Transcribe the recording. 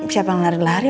siapa yang lari lari